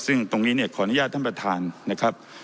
ซึ่งตรงนี้เนี่ยขออนุญาตท่านประธานนะครับ